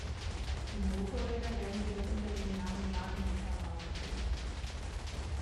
Die Motorräder werden jedoch unter dem Namen Magni vermarktet.